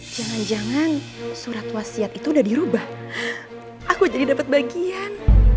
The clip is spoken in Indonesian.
jangan jangan surat wasiat itu udah dirubah aku jadi dapat bagian